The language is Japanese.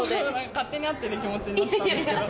勝手に会ってる気持ちになってたんですけど。